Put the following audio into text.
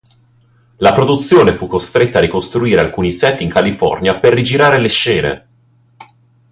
La produzione fu costretta a ricostruire alcuni set in California per rigirare le scene.